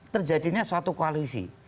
terjadinya suatu koalisi